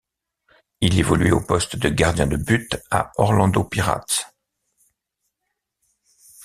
Il évoluait au poste de gardien de but à Orlando Pirates.